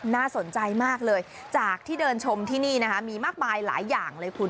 น่าสนใจมากเลยจากที่เดินชมที่นี่นะคะมีมากมายหลายอย่างเลยคุณ